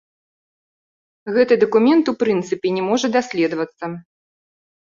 Гэты дакумент, у прынцыпе, не можа даследавацца.